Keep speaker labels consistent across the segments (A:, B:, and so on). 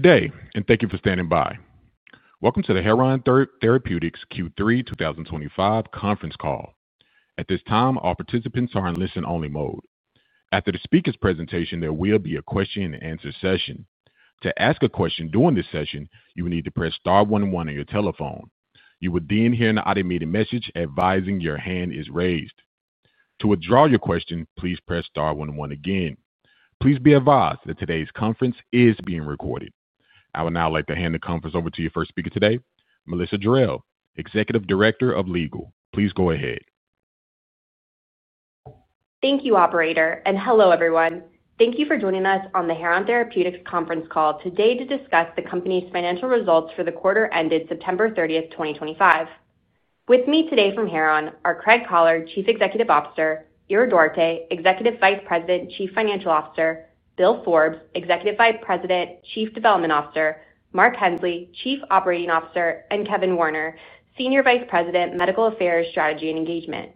A: Today, and thank you for standing by. Welcome to the Heron Therapeutics Q3 2025 conference call. At this time, all participants are in listen-only mode. After the speaker's presentation, there will be a question-and-answer session. To ask a question during this session, you will need to press star one one on your telephone. You will then hear an automated message advising your hand is raised. To withdraw your question, please press star one one again. Please be advised that today's conference is being recorded. I would now like to hand the conference over to your first speaker today, Melissa Drell, Executive Director of Legal. Please go ahead.
B: Thank you, Operator. Hello, everyone. Thank you for joining us on the Heron Therapeutics conference call today to discuss the company's financial results for the quarter ended September 30, 2025. With me today from Heron are Craig Collard, Chief Executive Officer; Ira Duarte, Executive Vice President, Chief Financial Officer; Bill Forbes, Executive Vice President, Chief Development Officer; Mark Hensley, Chief Operating Officer; and Kevin Warner, Senior Vice President, Medical Affairs, Strategy, and Engagement.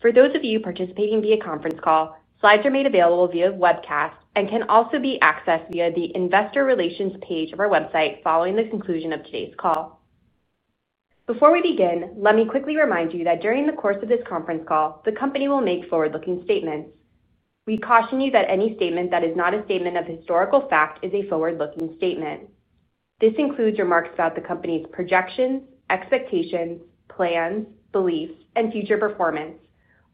B: For those of you participating via conference call, slides are made available via webcast and can also be accessed via the Investor Relations page of our website following the conclusion of today's call. Before we begin, let me quickly remind you that during the course of this conference call, the company will make forward-looking statements. We caution you that any statement that is not a statement of historical fact is a forward-looking statement. This includes remarks about the company's projections, expectations, plans, beliefs, and future performance,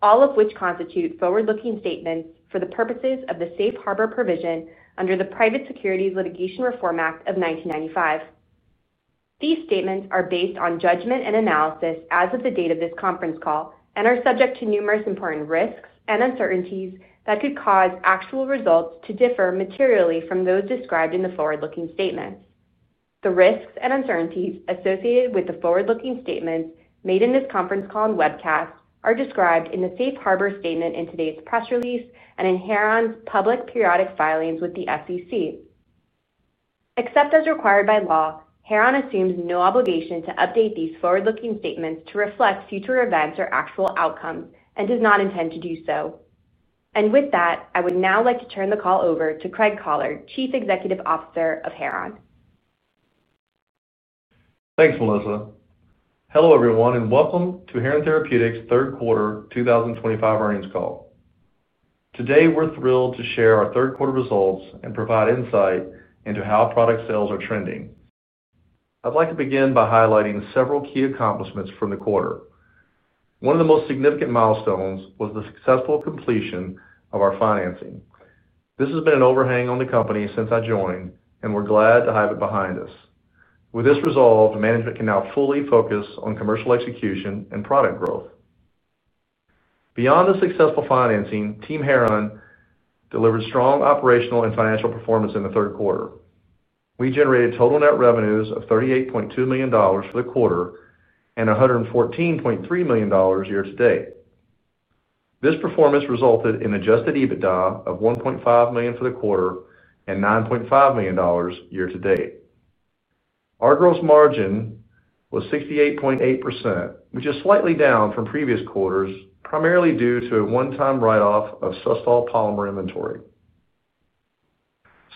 B: all of which constitute forward-looking statements for the purposes of the Safe Harbor provision under the Private Securities Litigation Reform Act of 1995. These statements are based on judgment and analysis as of the date of this conference call and are subject to numerous important risks and uncertainties that could cause actual results to differ materially from those described in the forward-looking statements. The risks and uncertainties associated with the forward-looking statements made in this conference call and webcast are described in the Safe Harbor statement in today's press release and in Heron's public periodic filings with the Securities and Exchange Commission. Except as required by law, Heron assumes no obligation to update these forward-looking statements to reflect future events or actual outcomes and does not intend to do so. I would now like to turn the call over to Craig Collard, Chief Executive Officer of Heron.
C: Thanks, Melissa. Hello, everyone, and welcome to Heron Therapeutics' third quarter 2025 earnings call. Today, we're thrilled to share our third-quarter results and provide insight into how product sales are trending. I'd like to begin by highlighting several key accomplishments from the quarter. One of the most significant milestones was the successful completion of our financing. This has been an overhang on the company since I joined, and we're glad to have it behind us. With this resolved, management can now fully focus on commercial execution and product growth. Beyond the successful financing, Team Heron delivered strong operational and financial performance in the third quarter. We generated total net revenues of $38.2 million for the quarter and $114.3 million year to date. This performance resulted in Adjusted EBITDA of $1.5 million for the quarter and $9.5 million year to date. Our gross margin was 68.8%, which is slightly down from previous quarters, primarily due to a one-time write-off of Sustol polymer inventory.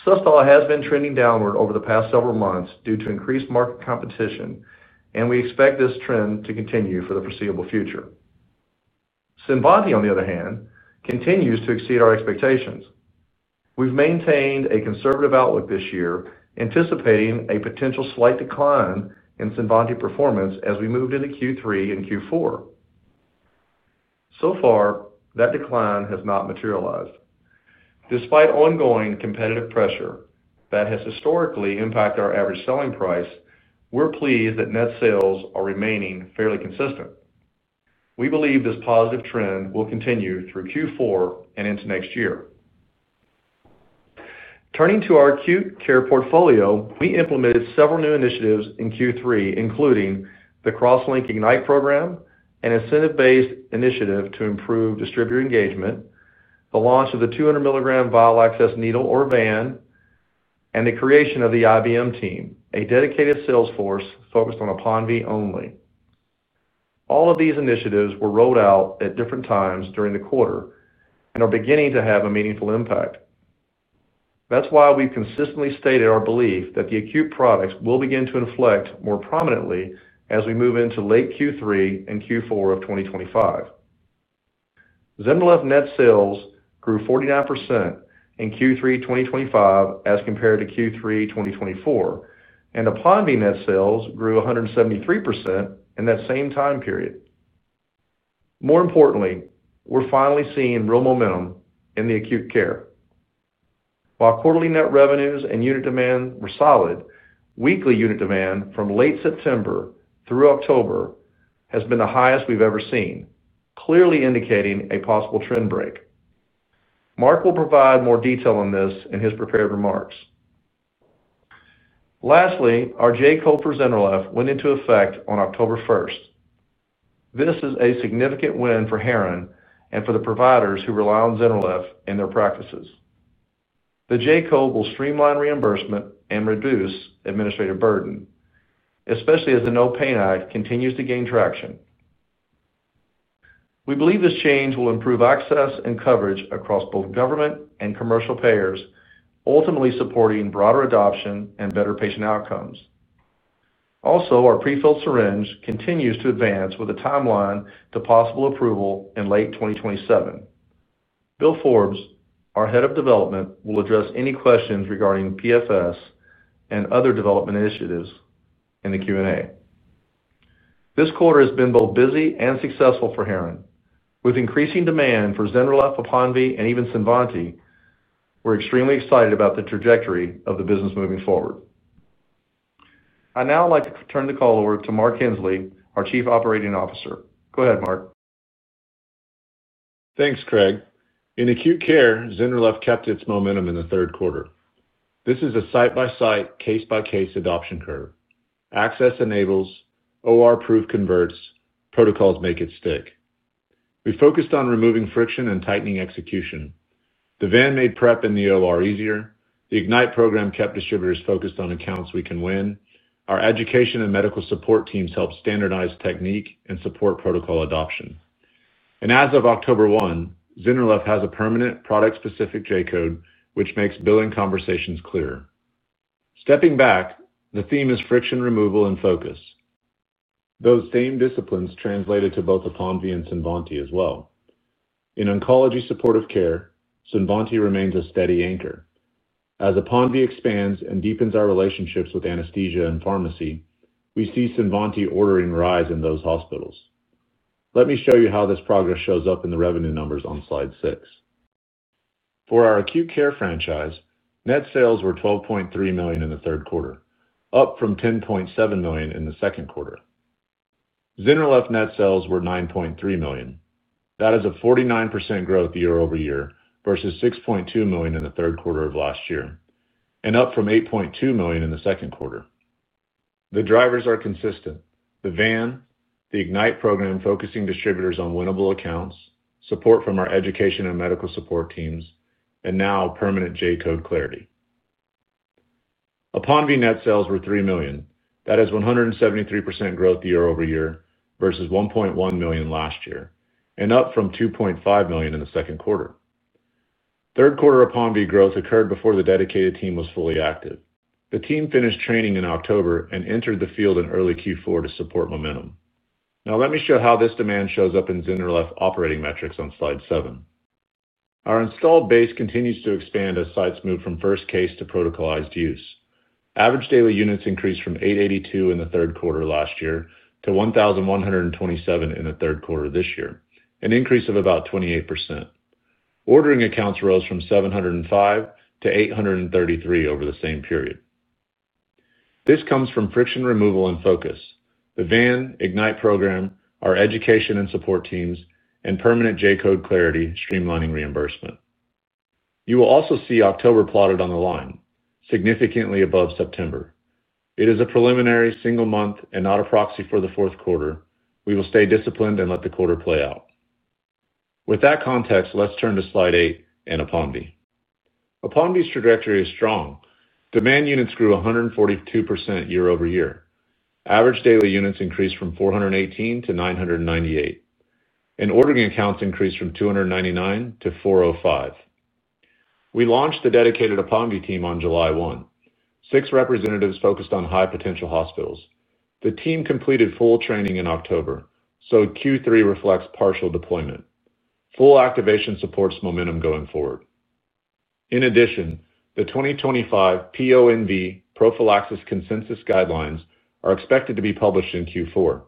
C: Sustol has been trending downward over the past several months due to increased market competition, and we expect this trend to continue for the foreseeable future. CINVANTI, on the other hand, continues to exceed our expectations. We've maintained a conservative outlook this year, anticipating a potential slight decline in CINVANTI performance as we moved into Q3 and Q4. So far, that decline has not materialized. Despite ongoing competitive pressure that has historically impacted our average selling price, we're pleased that net sales are remaining fairly consistent. We believe this positive trend will continue through Q4 and into next year. Turning to our acute care portfolio, we implemented several new initiatives in Q3, including the CrossLink Ignite program, an incentive-based initiative to improve distributor engagement, the launch of the 200 mg Vial Access Needle or VAN, and the creation of the IBM team, a dedicated sales force focused on APONVIE only. All of these initiatives were rolled out at different times during the quarter and are beginning to have a meaningful impact. That's why we've consistently stated our belief that the acute products will begin to inflect more prominently as we move into late Q3 and Q4 of 2025. ZYNRELEF net sales grew 49% in Q3 2025 as compared to Q3 2024, and the APONVIE net sales grew 173% in that same time period. More importantly, we're finally seeing real momentum in acute care. While quarterly net revenues and unit demand were solid, weekly unit demand from late September through October has been the highest we've ever seen, clearly indicating a possible trend break. Mark will provide more detail on this in his prepared remarks. Lastly, our J-code for ZYNRELEF went into effect on October 1. This is a significant win for Heron and for the providers who rely on ZYNRELEF in their practices. The J-code will streamline reimbursement and reduce administrative burden, especially as the NOPAIN Act continues to gain traction. We believe this change will improve access and coverage across both government and commercial payers, ultimately supporting broader adoption and better patient outcomes. Also, our pre-filled syringe program continues to advance with a timeline to possible approval in late 2027. Bill Forbes, our Head of Development, will address any questions regarding PFS and other development initiatives in the Q&A. This quarter has been both busy and successful for Heron. With increasing demand for ZYNRELEF, APONVIE, and even SUSTOL, we're extremely excited about the trajectory of the business moving forward. I'd now like to turn the call over to Mark Hensley, our Chief Operating Officer. Go ahead, Mark.
D: Thanks, Craig. In acute care, ZYNRELEF kept its momentum in the third quarter. This is a site-by-site, case-by-case adoption curve. Access enables, OR-proof converts, protocols make it stick. We focused on removing friction and tightening execution. The VAN made prep in the OR easier. The Ignite program kept distributors focused on accounts we can win. Our education and medical support teams helped standardize technique and support protocol adoption. As of October 1, ZYNRELEF has a permanent product-specific J-code, which makes billing conversations clearer. Stepping back, the theme is friction removal and focus. Those same disciplines translated to both the APONVIE and CINVANTI as well. In oncology supportive care, CINVANTI remains a steady anchor. As the APONVIE expands and deepens our relationships with anesthesia and pharmacy, we see CINVANTI ordering rise in those hospitals. Let me show you how this progress shows up in the revenue numbers on slide six. For our acute care franchise, net sales were $12.3 million in the third quarter, up from $10.7 million in the second quarter. ZYNRELEF net sales were $9.3 million. That is a 49% growth year over year versus $6.2 million in the third quarter of last year and up from $8.2 million in the second quarter. The drivers are consistent: the VAN, the Ignite program focusing distributors on winnable accounts, support from our education and medical support teams, and now permanent J-code clarity. The APONVIE net sales were $3 million. That is 173% growth year over year versus $1.1 million last year and up from $2.5 million in the second quarter. Third quarter APONVIE growth occurred before the dedicated team was fully active. The team finished training in October and entered the field in early Q4 to support momentum. Now, let me show how this demand shows up in ZYNRELEF operating metrics on slide seven. Our installed base continues to expand as sites move from first case to protocolized use. Average daily units increased from 882 in the third quarter last year to 1,127 in the third quarter this year, an increase of about 28%. Ordering accounts rose from 705 to 833 over the same period. This comes from friction removal and focus: the VAN, Ignite program, our education and support teams, and permanent J-code clarity streamlining reimbursement. You will also see October plotted on the line, significantly above September. It is a preliminary single month and not a proxy for the fourth quarter. We will stay disciplined and let the quarter play out. With that context, let's turn to slide eight and APONVIE. APONVIE's trajectory is strong. Demand units grew 142% year over year. Average daily units increased from 418 to 998. Ordering accounts increased from 299 to 405. We launched the dedicated APONVIE team on July 1. Six representatives focused on high-potential hospitals. The team completed full training in October, so Q3 reflects partial deployment. Full activation supports momentum going forward. In addition, the 2025 PONV Prophylaxis Consensus Guidelines are expected to be published in Q4.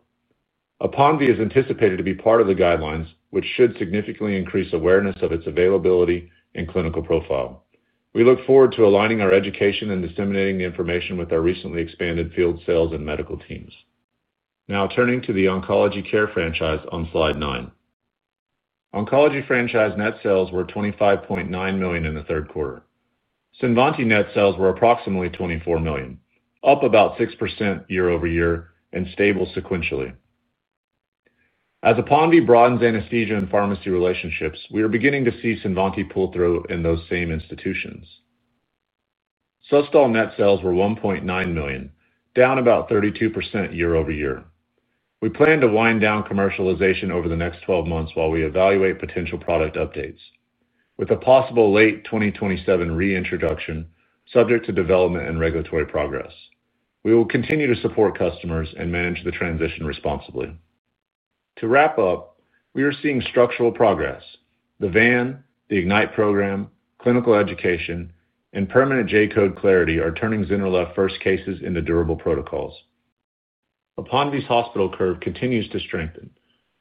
D: APONVIE is anticipated to be part of the guidelines, which should significantly increase awareness of its availability and clinical profile. We look forward to aligning our education and disseminating the information with our recently expanded field sales and medical teams. Now, turning to the oncology care franchise on slide nine. Oncology franchise net sales were $25.9 million in the third quarter. CINVANTI net sales were approximately $24 million, up about 6% year over year and stable sequentially. As APONVIE broadens anesthesia and pharmacy relationships, we are beginning to see CINVANTI pull through in those same institutions. SUSTOL net sales were $1.9 million, down about 32% year over year. We plan to wind down commercialization over the next 12 months while we evaluate potential product updates, with a possible late 2027 reintroduction subject to development and regulatory progress. We will continue to support customers and manage the transition responsibly. To wrap up, we are seeing structural progress. The VAN, the Ignite program, clinical education, and permanent J-code clarity are turning ZYNRELEF first cases into durable protocols. APONVIE's hospital curve continues to strengthen,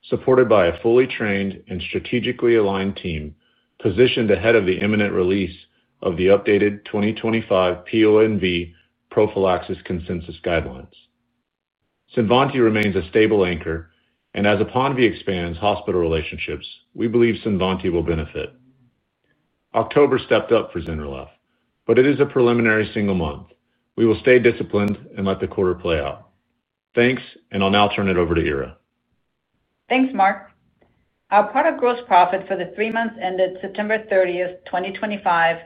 D: supported by a fully trained and strategically aligned team positioned ahead of the imminent release of the updated 2025 PONV Prophylaxis Consensus Guidelines. CINVANTI remains a stable anchor, and as APONVIE expands hospital relationships, we believe CINVANTI will benefit. October stepped up for ZYNRELEF, but it is a preliminary single month. We will stay disciplined and let the quarter play out. Thanks, and I'll now turn it over to Ira.
E: Thanks, Mark. Our product gross profit for the three months ended September 30, 2025,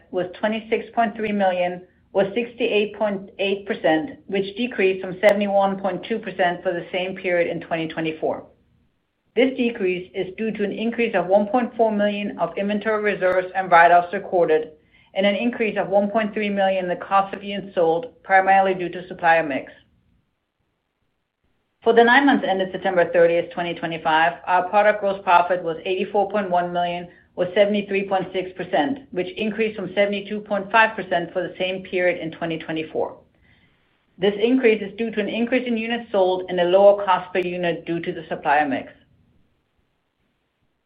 E: was $26.3 million or 68.8%, which decreased from 71.2% for the same period in 2024. This decrease is due to an increase of $1.4 million of inventory reserves and write-offs recorded and an increase of $1.3 million in the cost of units sold, primarily due to supplier mix. For the nine months ended September 30th, 2025, our product gross profit was $84.1 million or 73.6%, which increased from 72.5% for the same period in 2024. This increase is due to an increase in units sold and a lower cost per unit due to the supplier mix.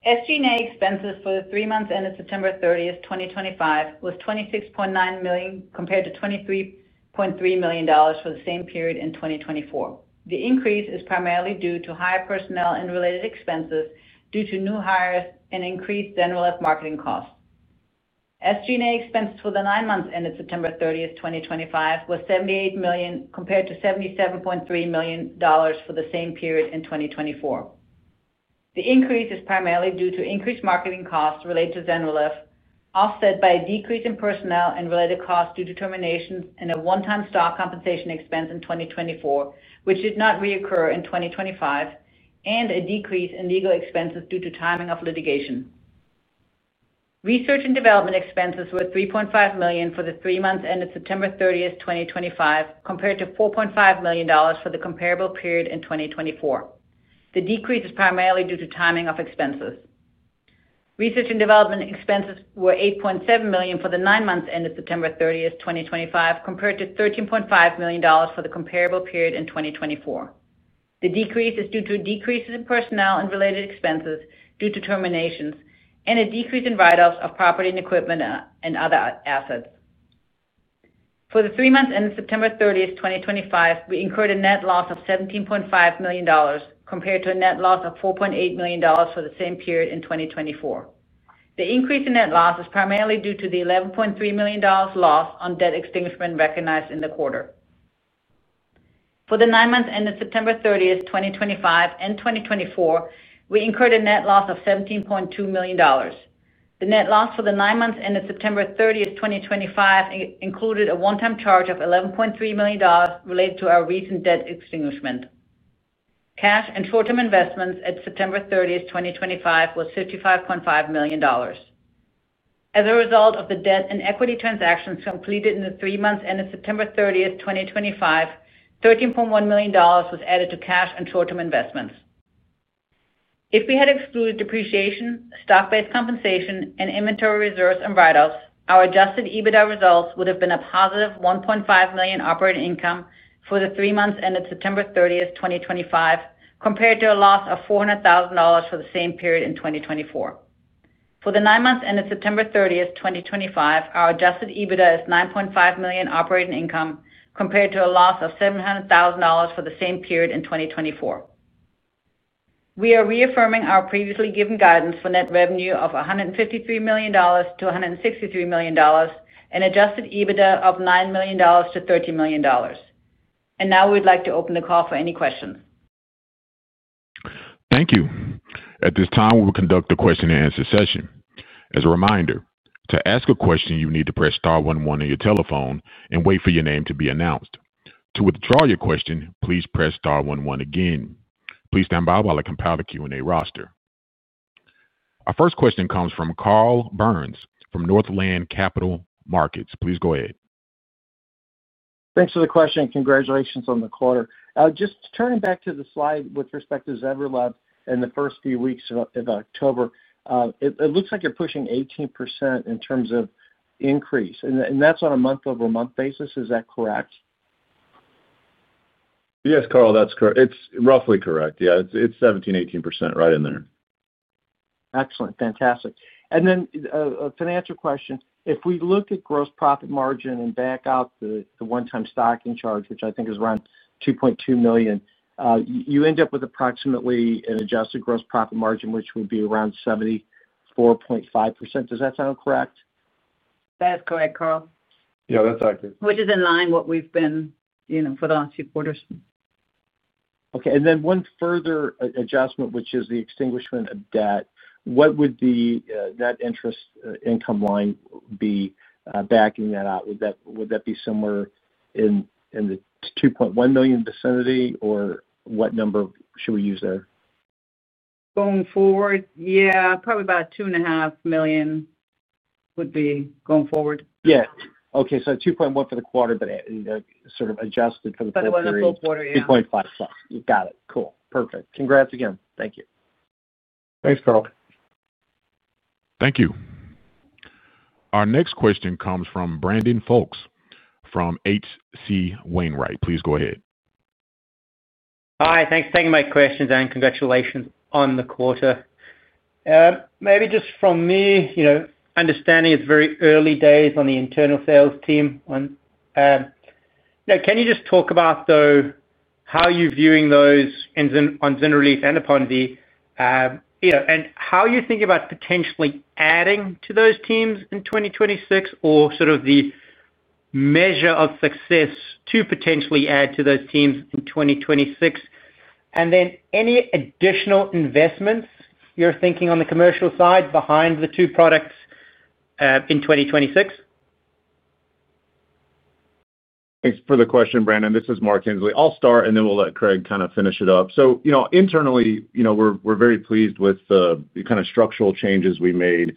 E: SG&A expenses for the three months ended September 30th, 2025, was $26.9 million compared to $23.3 million for the same period in 2024. The increase is primarily due to higher personnel and related expenses due to new hires and increased ZYNRELEF marketing costs. SG&A expenses for the nine months ended September 30, 2025, was $78 million compared to $77.3 million for the same period in 2024. The increase is primarily due to increased marketing costs related to ZYNRELEF, offset by a decrease in personnel and related costs due to terminations and a one-time stock compensation expense in 2024, which did not reoccur in 2025, and a decrease in legal expenses due to timing of litigation. Research and development expenses were $3.5 million for the three months ended September 30, 2025, compared to $4.5 million for the comparable period in 2024. The decrease is primarily due to timing of expenses. Research and development expenses were $8.7 million for the nine months ended September 30, 2025, compared to $13.5 million for the comparable period in 2024. The decrease is due to decreases in personnel and related expenses due to terminations and a decrease in write-offs of property and equipment and other assets. For the three months ended September 30th, 2025, we incurred a net loss of $17.5 million compared to a net loss of $4.8 million for the same period in 2024. The increase in net loss is primarily due to the $11.3 million loss on debt extinguishment recognized in the quarter. For the nine months ended September 30th, 2025, and 2024, we incurred a net loss of $17.2 million. The net loss for the nine months ended September 30, 2025, included a one-time charge of $11.3 million related to our recent debt extinguishment. Cash and short-term investments at September 30th, 2025, was $55.5 million. As a result of the debt and equity transactions completed in the three months ended September 30th, 2025, $13.1 million was added to cash and short-term investments. If we had excluded depreciation, stock-based compensation, and inventory reserves and write-offs, our Adjusted EBITDA results would have been a positive $1.5 million operating income for the three months ended September 30, 2025, compared to a loss of $400,000 for the same period in 2024. For the nine months ended September 30, 2025, our Adjusted EBITDA is $9.5 million operating income compared to a loss of $700,000 for the same period in 2024. We are reaffirming our previously given guidance for net revenue of $153 million-$163 million and Adjusted EBITDA of $9 million-$30 million. Now we'd like to open the call for any questions.
A: Thank you. At this time, we will conduct a question-and-answer session. As a reminder, to ask a question, you need to press star 11 on your telephone and wait for your name to be announced. To withdraw your question, please press star 11 again. Please stand by while I compile the Q&A roster. Our first question comes from Carl Byrnes from Northland Capital Markets. Please go ahead.
F: Thanks for the question. Congratulations on the quarter. Just turning back to the slide with respect to ZYNRELEF and the first few weeks of October, it looks like you're pushing 18% in terms of increase. That's on a month-over-month basis. Is that correct?
D: Yes, Carl, that's correct. It's roughly correct. Yeah, it's 17%-18% right in there.
F: Excellent. Fantastic. Then a financial question. If we look at gross profit margin and back out the one-time stocking charge, which I think is around $2.2 million, you end up with approximately an adjusted gross profit margin, which would be around 74.5%. Does that sound correct?
E: That is correct, Carl.
D: Yeah, that's accurate.
E: Which is in line with what we've been for the last few quarters.
F: Okay. And then one further adjustment, which is the extinguishment of debt. What would the net interest income line be backing that out? Would that be somewhere in the $2.1 million vicinity, or what number should we use there?
E: Going forward, yeah, probably about $2.5 million would be going forward.
F: Yeah. Okay. So 2.1 for the quarter, but sort of adjusted for the full quarter.
E: For the full quarter, yeah.
F: 2.5 plus. You got it. Cool. Perfect. Congrats again. Thank you.
D: Thanks, Carl.
A: Thank you. Our next question comes from Brandon Folkes from H.C. Wainwright. Please go ahead.
G: Hi. Thanks for taking my questions, and congratulations on the quarter. Maybe just from me, understanding it's very early days on the internal sales team. Can you just talk about, though, how you're viewing those on ZYNRELEF and APONVIE. And how you're thinking about potentially adding to those teams in 2026, or sort of the measure of success to potentially add to those teams in 2026, and then any additional investments you're thinking on the commercial side behind the two products in 2026?
D: Thanks for the question, Brandon. This is Mark Hensley. I'll start, and then we'll let Craig kind of finish it up. Internally, we're very pleased with the kind of structural changes we made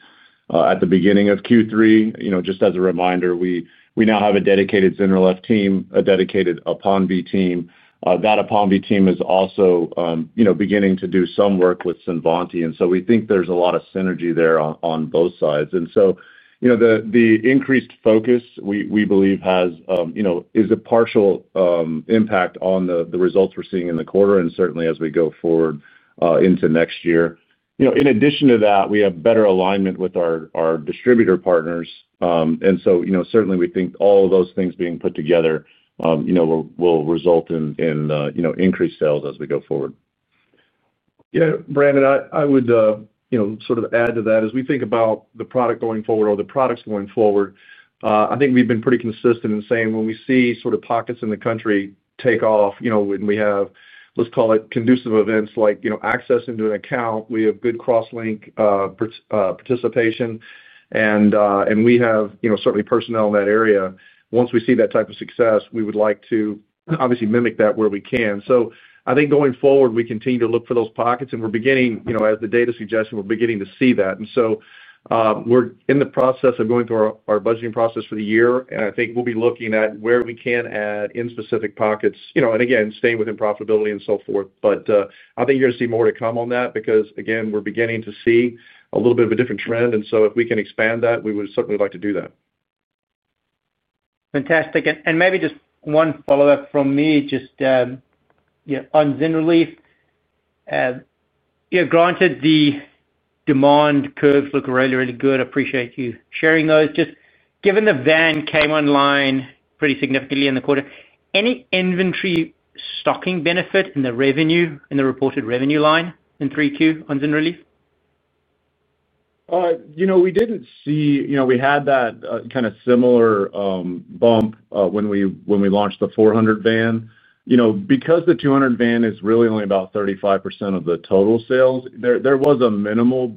D: at the beginning of Q3. Just as a reminder, we now have a dedicated ZYNRELEF team, a dedicated APONVIE team. That APONVIE team is also beginning to do some work with CINVANTI. We think there's a lot of synergy there on both sides. The increased focus, we believe, has a partial impact on the results we're seeing in the quarter and certainly as we go forward into next year. In addition to that, we have better alignment with our distributor partners. We think all of those things being put together will result in increased sales as we go forward. Yeah, Brandon, I would sort of add to that as we think about the product going forward or the products going forward. I think we've been pretty consistent in saying when we see sort of pockets in the country take off and we have, let's call it, conducive events like access into an account, we have good CrossLink participation, and we have certainly personnel in that area. Once we see that type of success, we would like to obviously mimic that where we can. I think going forward, we continue to look for those pockets, and we're beginning, as the data suggests, we're beginning to see that. We're in the process of going through our budgeting process for the year, and I think we'll be looking at where we can add in specific pockets and, again, staying within profitability and so forth. I think you're going to see more to come on that because, again, we're beginning to see a little bit of a different trend. If we can expand that, we would certainly like to do that.
G: Fantastic. Maybe just one follow-up from me, just on ZYNRELEF. Granted, the demand curves look really, really good. Appreciate you sharing those. Just given the VAN came online pretty significantly in the quarter, any inventory stocking benefit in the revenue, in the reported revenue line in 3Q on ZYNRELEF?
D: We did not see we had that kind of similar bump when we launched the 400 VAN. Because the 200 VAN is really only about 35% of the total sales, there was a minimal,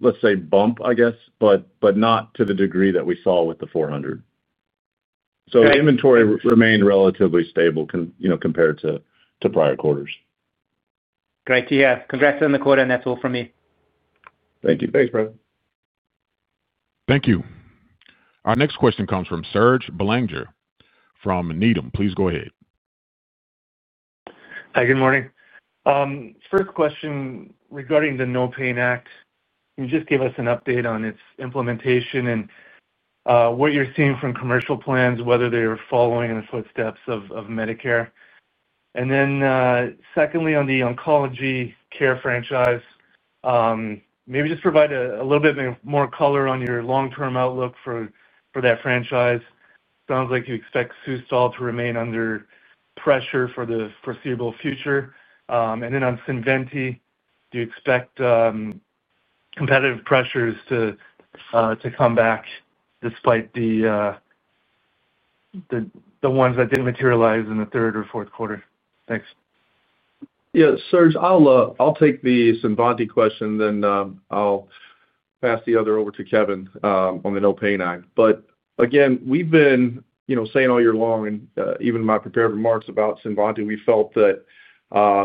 D: let's say, bump, I guess, but not to the degree that we saw with the 400. Inventory remained relatively stable compared to prior quarters.
G: Great to hear. Congrats on the quarter, and that's all from me.
D: Thank you. Thanks, Brandon.
A: Thank you. Our next question comes from Serge Belanger from Needham & Company. Please go ahead.
H: Hi, good morning. First question regarding the NOPAIN Act. You just gave us an update on its implementation. What you're seeing from commercial plans, whether they're following in the footsteps of Medicare? Secondly, on the oncology care franchise, maybe just provide a little bit more color on your long-term outlook for that franchise. Sounds like you expect Sustol to remain under pressure for the foreseeable future. On CINVANTI, do you expect competitive pressures to come back despite the ones that didn't materialize in the third or fourth quarter? Thanks.
D: Yeah, Serge, I'll take the CINVANTI question, then I'll pass the other over to Kevin on the NOPAIN Act. Again, we've been saying all year long, and even in my prepared remarks about CINVANTI, we felt that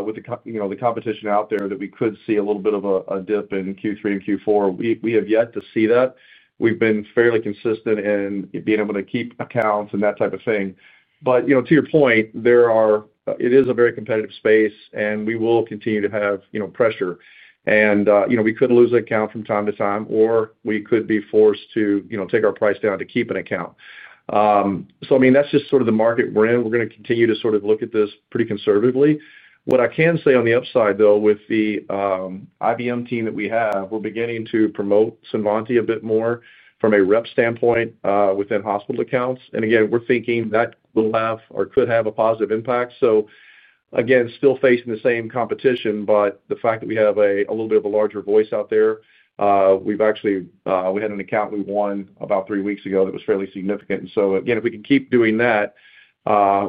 D: with the competition out there, that we could see a little bit of a dip in Q3 and Q4. We have yet to see that. We've been fairly consistent in being able to keep accounts and that type of thing. To your point, it is a very competitive space, and we will continue to have pressure. We could lose an account from time to time, or we could be forced to take our price down to keep an account. I mean, that's just sort of the market we're in. We're going to continue to sort of look at this pretty conservatively. What I can say on the upside, though, with the IBM team that we have, we're beginning to promote CINVANTI a bit more from a rep standpoint within hospital accounts. Again, we're thinking that will have or could have a positive impact. Still facing the same competition, but the fact that we have a little bit of a larger voice out there, we've actually had an account we won about three weeks ago that was fairly significant. If we can keep doing that,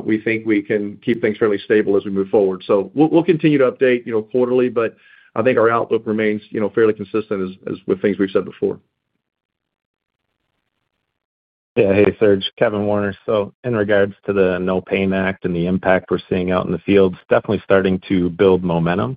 D: we think we can keep things fairly stable as we move forward. We'll continue to update quarterly, but I think our outlook remains fairly consistent with things we've said before.
C: Yeah. Hey, Serge, Kevin Warner. In regards to the NOPAIN Act and the impact we're seeing out in the field, it's definitely starting to build momentum.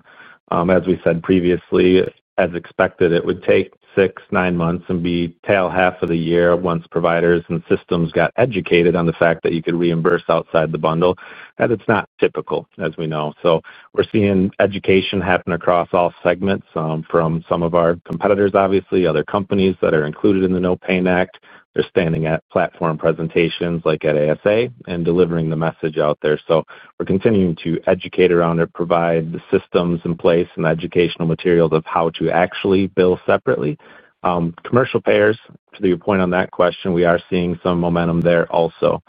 C: As we said previously, as expected, it would take six to nine months and be tail half of the year once providers and systems got educated on the fact that you could reimburse outside the bundle. That's not typical, as we know. We're seeing education happen across all segments from some of our competitors, obviously, other companies that are included in the NOPAIN Act. They're standing at platform presentations like at ASA and delivering the message out there. We're continuing to educate around it, provide the systems in place and educational materials of how to actually bill separately. Commercial payers, to your point on that question, we are seeing some momentum there also.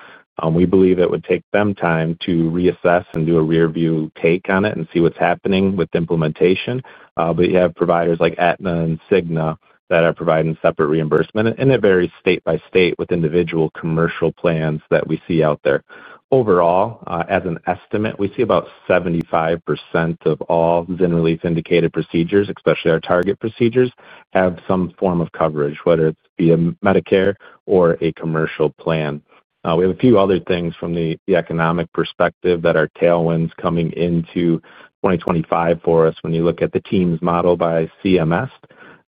C: We believe it would take them time to reassess and do a rearview take on it and see what's happening with implementation. You have providers like Aetna and Cigna that are providing separate reimbursement. It varies state by state with individual commercial plans that we see out there. Overall, as an estimate, we see about 75% of all ZYNRELEF indicated procedures, especially our target procedures, have some form of coverage, whether it be a Medicare or a commercial plan. We have a few other things from the economic perspective that are tailwinds coming into 2025 for us when you look at the Teams model by CMS,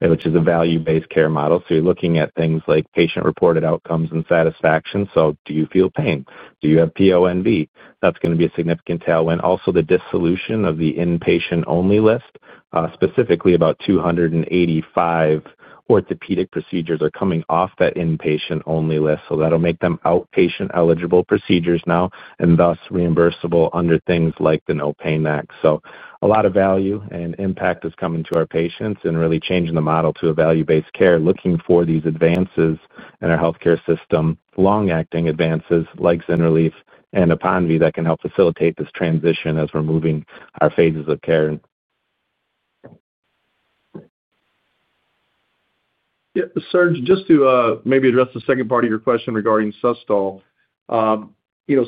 C: which is a value-based care model. You're looking at things like patient-reported outcomes and satisfaction. Do you feel pain? Do you have PONV? That's going to be a significant tailwind. Also, the dissolution of the inpatient-only list, specifically about 285 orthopedic procedures are coming off that inpatient-only list. That'll make them outpatient-eligible procedures now and thus reimbursable under things like the NOPAIN Act. A lot of value and impact is coming to our patients and really changing the model to a value-based care, looking for these advances in our healthcare system, long-acting advances like ZYNRELEF and APONVIE that can help facilitate this transition as we're moving our phases of care.
D: Yeah. Serge, just to maybe address the second part of your question regarding Sustol.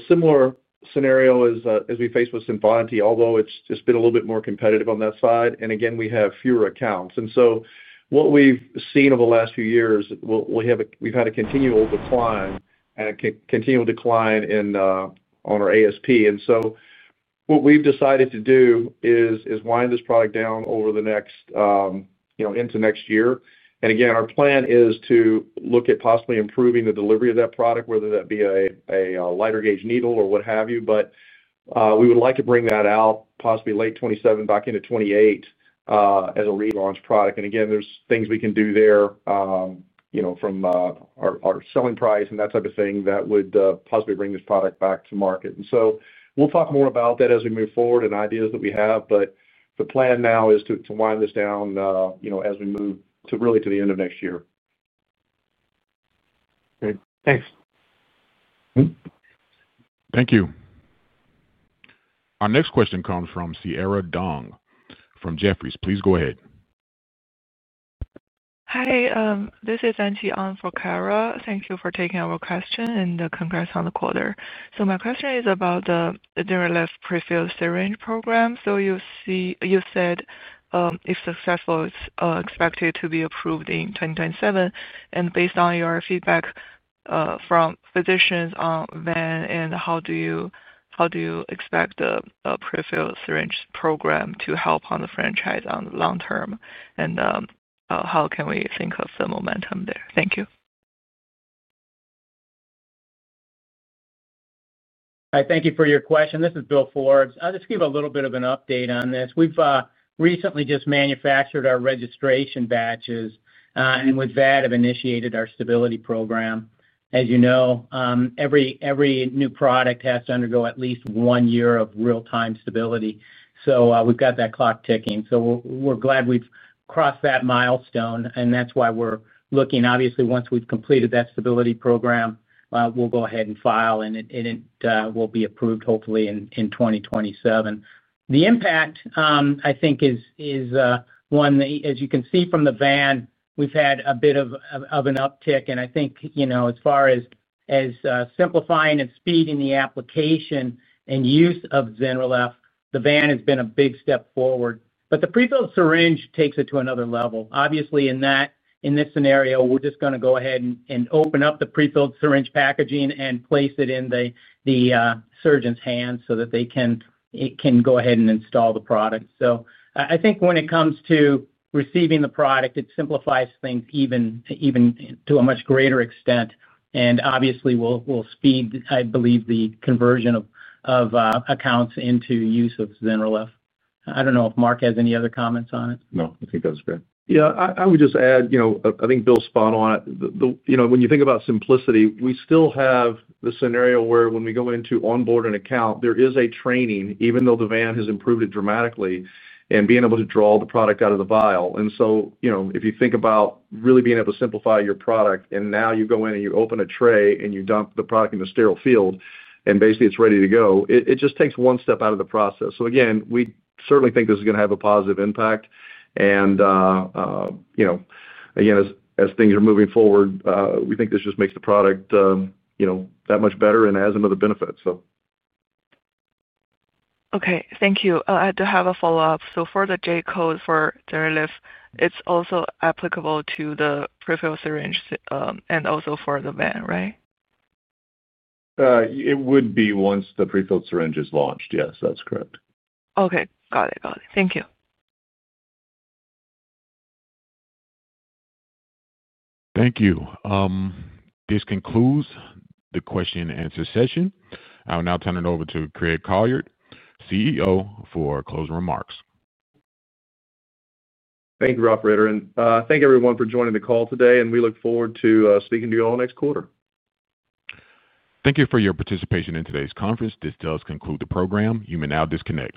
D: Similar scenario as we face with CINVANTI, although it's just been a little bit more competitive on that side. Again, we have fewer accounts. What we've seen over the last few years, we've had a continual decline and a continual decline on our ASP. What we've decided to do is wind this product down over the next, into next year. Again, our plan is to look at possibly improving the delivery of that product, whether that be a lighter gauge needle or what have you. We would like to bring that out possibly late 2027, back into 2028, as a relaunch product. Again, there are things we can do there from our selling price and that type of thing that would possibly bring this product back to market. We will talk more about that as we move forward and ideas that we have. The plan now is to wind this down as we move really to the end of next year.
F: Great. Thanks.
A: Thank you. Our next question comes from Clara Dong from Jefferies. Please go ahead. Hi. This is Angie on for Clara. Thank you for taking our question and the congrats on the quarter. My question is about the ZYNRELEF pre-filled syringe program. You said if successful, it's expected to be approved in 2027. Based on your feedback from physicians on VAN, how do you expect the pre-filled syringe program to help on the franchise in the long term? How can we think of the momentum there? Thank you.
I: Hi. Thank you for your question. This is Bill Forbes. I'll just give a little bit of an update on this. We've recently just manufactured our registration batches, and with that, have initiated our stability program. As you know, every new product has to undergo at least one year of real-time stability. We've got that clock ticking. We're glad we've crossed that milestone, and that's why we're looking. Obviously, once we've completed that stability program, we'll go ahead and file, and it will be approved, hopefully, in 2027. The impact, I think, is one that, as you can see from the VAN, we've had a bit of an uptick. I think as far as simplifying and speeding the application and use of ZYNRELEF, the VAN has been a big step forward. The Pre-filled syringe takes it to another level. Obviously, in this scenario, we're just going to go ahead and open up the Pre-filled syringe packaging and place it in the surgeon's hands so that they can go ahead and install the product. I think when it comes to receiving the product, it simplifies things even to a much greater extent. Obviously, we'll speed, I believe, the conversion of accounts into use of ZYNRELEF. I don't know if Mark has any other comments on it.
D: No, I think that was great. Yeah. I would just add, I think Bill's spot on it. When you think about simplicity, we still have the scenario where when we go into onboard an account, there is a training, even though the VAN has improved it dramatically, and being able to draw the product out of the vial. If you think about really being able to simplify your product, and now you go in and you open a tray and you dump the product in the sterile field, and basically it's ready to go, it just takes one step out of the process. Again, we certainly think this is going to have a positive impact. Again, as things are moving forward, we think this just makes the product that much better and adds another benefit. Okay. Thank you. I do have a follow-up. For the J-code for ZYNRELEF, it's also applicable to the pre-filled syringe and also for the VAN, right? It would be once the Pre-filled syringe is launched. Yes, that's correct. Okay. Got it. Got it. Thank you.
A: Thank you. This concludes the question and answer session. I'll now turn it over to Craig Collard, CEO, for closing remarks.
C: Thank you, Ralph Ritter. Thank everyone for joining the call today, and we look forward to speaking to you all next quarter.
A: Thank you for your participation in today's conference. This does conclude the program. You may now disconnect.